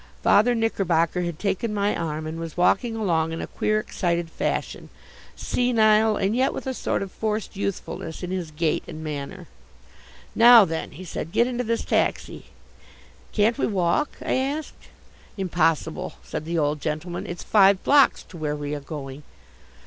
Father Knickerbocker had taken my arm and was walking along in a queer, excited fashion, senile and yet with a sort of forced youthfulness in his gait and manner. "Now then," he said, "get into this taxi." "Can't we walk?" I asked. "Impossible," said the old gentleman. "It's five blocks to where we are going."